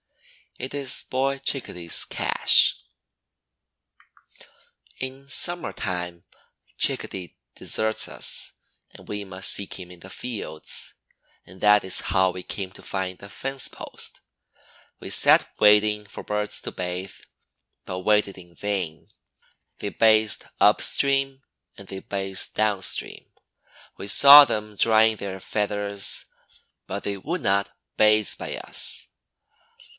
It is Boy Chickadee's cache. In summer time Chickadee deserts us and we must seek him in the fields, and that is how we came to find the fence post. We sat waiting for birds to bathe, but waited in vain. They bathed up stream and they bathed down stream. We saw them drying their feathers, but they would not bathe by us.